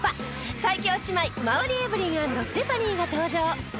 最強姉妹馬瓜エブリン＆ステファニーが登場。